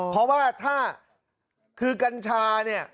เพราะว่าถ้าคือกัญชาเนี่ย